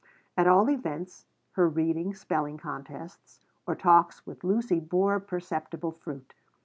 At all events, her readings, spelling contests, or talks with Lucy bore perceptible fruit.